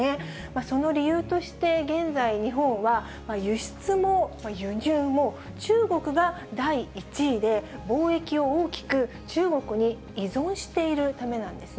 その理由として現在、日本は輸出も輸入も、中国が第１位で、貿易を大きく中国に依存しているためなんですね。